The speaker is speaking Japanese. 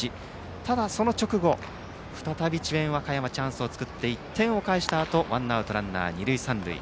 ただその直後、再び智弁和歌山、チャンスを作って１点を返したあとワンアウトランナー、二塁三塁。